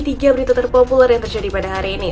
tiga berita terpopuler yang terjadi pada hari ini